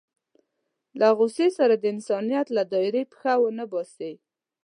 له غوسې سره د انسانيت له دایرې پښه ونه باسي.